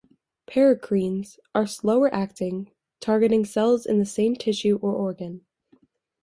Paracrines are slower acting, targeting cells in the same tissue or organ.